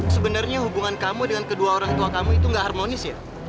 sebenarnya hubungan kamu dengan kedua orang tua kamu itu nggak harmonis ya